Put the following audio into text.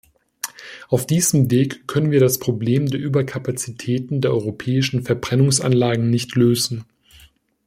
Auf diesem Weg können wir das Problem der Überkapazitäten der europäischen Verbrennungsanlagen nicht lösen.